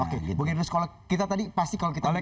oke mungkin terus kalau kita tadi pasti kalau kita bicara